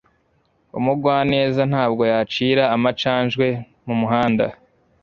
Umugwaneza ntabwo yacira amacanjwe mumuhanda.